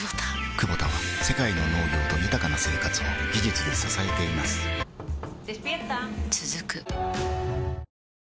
クボタは世界の農業と豊かな生活を技術で支えています起きて。